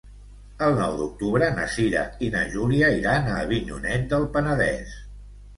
El nou d'octubre na Cira i na Júlia iran a Avinyonet del Penedès.